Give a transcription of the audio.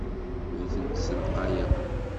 Ur tent-ssalqayeɣ.